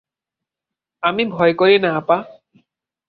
আমি ভয় করি না আপা।